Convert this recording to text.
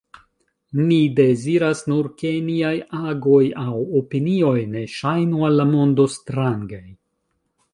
Ni deziras nur ke niaj agoj aŭ opinioj ne ŝajnu al la mondo strangaj.